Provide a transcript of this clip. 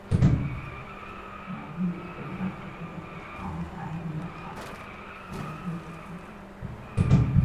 Magee ist der Beweis dafür, dass das Staunen für einige niemals aufhört, sondern sich nur vertieft.